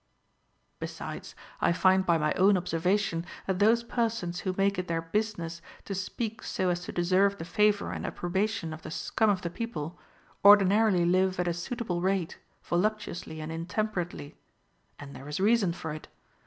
* Besides, I find by my own observation, that those persons who make it their business to speak so as to deserve the favor and approbation of the scum of the people, ordinarily live at a suitable rate, voluptuously and intemperately. And there is reason for it.